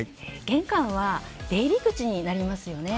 玄関は出入り口になりますよね。